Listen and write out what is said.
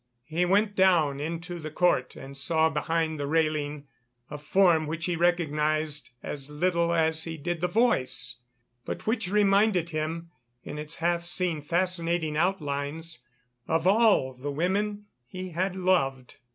He went down into the court and saw behind the railing a form which he recognized as little as he did the voice, but which reminded him, in its half seen fascinating outlines, of all the women he had loved.